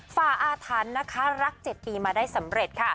ฟ้าอาธานรักเจ็ดปีมาได้สำเร็จ